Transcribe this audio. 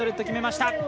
きました！